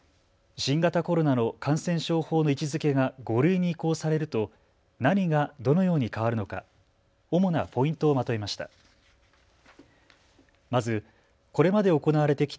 新型コロナの感染症法の位置づけが５類に移行されると何がどのように変わるのか主なポイントをまとめました。